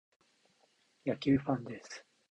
野球ファンです。